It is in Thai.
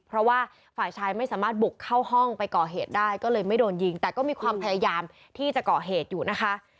เพราะว่าฝ่ายชายไม่สามารถบุกเข้าห้องไปก่อเหตุได้ก็เลยไม่โดนยิงแต่ก็มีความพยายามที่จะก่อเหตุอยู่นะคะ